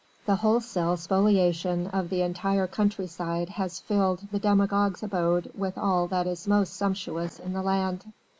The wholesale spoliation of the entire country side has filled the demagogue's abode with all that is most sumptuous in the land.